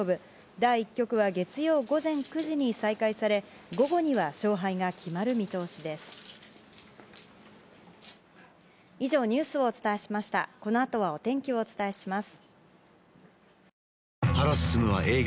第１局は月曜午前９時に再開され、午後には勝敗が決まる見通しです。